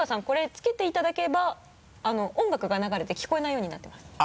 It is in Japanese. これつけていただけば音楽が流れて聞こえないようになってます。